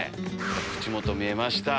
口元見えました。